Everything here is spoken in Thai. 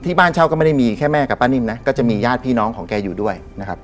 บ้านเช่าก็ไม่ได้มีแค่แม่กับป้านิ่มนะก็จะมีญาติพี่น้องของแกอยู่ด้วยนะครับ